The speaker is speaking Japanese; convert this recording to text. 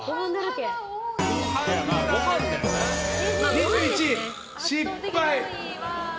２１人、失敗！